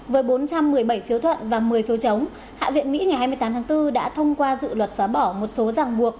với bốn trăm một mươi bảy phiếu thuận và một mươi phiếu chống hạ viện mỹ ngày hai mươi tám tháng bốn đã thông qua dự luật xóa bỏ một số ràng buộc